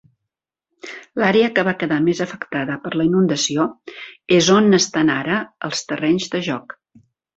L'àrea que va quedar més afectada per la inundació és on estan ara els terrenys de joc.